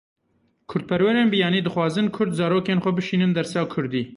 Kurdperwerên biyanî dixwazin Kurd zarokên xwe bişînin dersa kurdî.